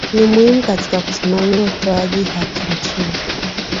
Ni muhimu katika kusimamia utoaji haki nchini